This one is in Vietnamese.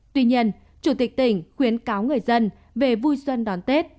tuy nhiên chủ tịch tỉnh khuyến cáo người dân về vui xuân đón tết